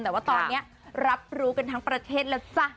แต่ว่าตอนนี้รับรู้กันทั้งประเทศแล้วจ้ะ